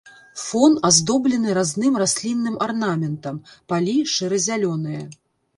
Фон аздоблены разным раслінным арнаментам, палі шэра-зялёныя.